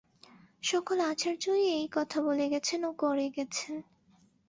সকল আচার্যই এই কথা বলে গেছেন ও করে গেছেন।